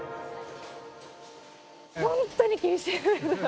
本当に厳しい。